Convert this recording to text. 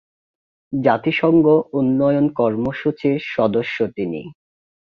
জাতিসংঘ উন্নয়ন কর্মসূচীর সদস্য তিনি।